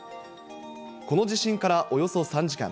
この地震からおよそ３時間。